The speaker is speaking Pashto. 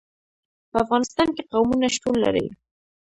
په افغانستان کې قومونه شتون لري.